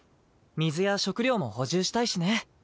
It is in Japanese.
水や食料も補充したいしね。